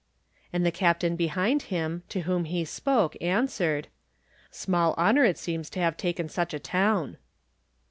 And the captain behind him, to whom he spoke, answered: "Small honor it seems to have taken such a town."